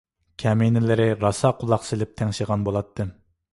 كەمىنىلىرى راسا قۇلاق سېلىپ تىڭشىغان بولاتتىم.